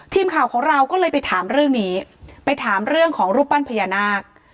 ทีมข่าวของเราก็เลยไปถามเรื่องนี้ไปถามเรื่องของรูปปั้นพญานาค